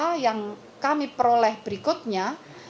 dan ternyata yang kami peroleh berikutnya